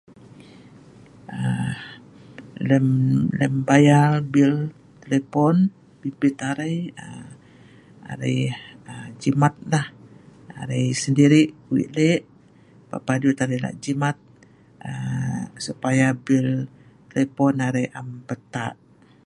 Lem bayal bil telepon bimbit arai.. aa arai jimatlah aa arai sendiri weik lek papah dut arai lak jimat aa.. supaya bil telepon arai am beltak